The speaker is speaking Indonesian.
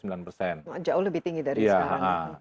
nah jauh lebih tinggi dari sekarang